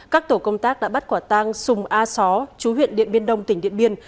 các tổ công tác đã bắt quả tang sùng a só chú huyện điện biên đông tỉnh điện biên